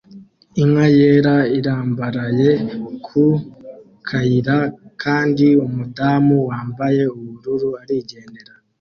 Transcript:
Inka yera irambaraye ku kayira kandi umudamu wambaye ubururu arigendera